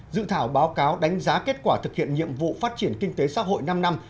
dự thảo báo cáo đánh giá kết quả thực hiện nhiệm vụ phát triển kinh tế xã hội năm năm